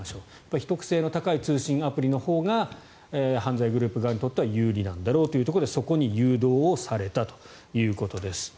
秘匿性の高い通信アプリのほうが犯罪グループ側にとっては有利なんだろうということでそこに誘導をされたということです。